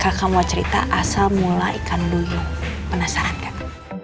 kakak mau cerita asal mula ikan duyung penasaran kan